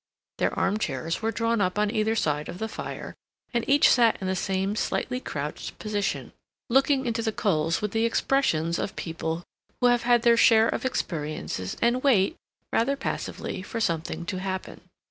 Their arm chairs were drawn up on either side of the fire, and each sat in the same slightly crouched position, looking into the coals, with the expressions of people who have had their share of experiences and wait, rather passively, for something to happen.